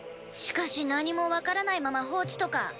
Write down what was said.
しかし何もわからないまま放置とか。